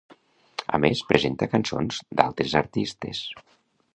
A més, presenta cançons d'altres artistes.